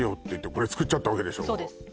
これ作っちゃったわけでしょそうです